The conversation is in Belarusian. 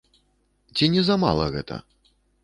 Ці не замала гэта?